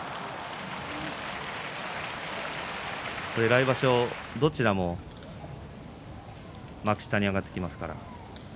来場所どちらも幕下に上がってきます。